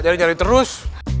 jangan cari terus